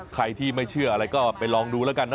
ใครที่ไม่เชื่ออะไรก็ไปลองดูแล้วกันนะ